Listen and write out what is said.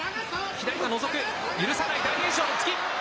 左からのぞく、許さない大栄翔の突き。